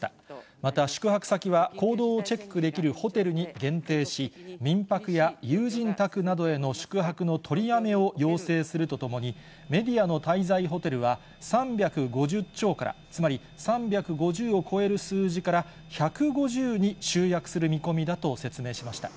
また、宿泊先は、行動をチェックできるホテルに限定し、民泊や友人宅などへの宿泊の取りやめを要請するとともに、メディアの滞在ホテルは、３５０超から、つまり３５０を超える数字から１５０に集約する見込みだと説明しました。